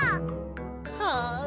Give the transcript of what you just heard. はあ！